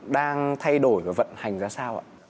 đang thay đổi và vận hành ra sao ạ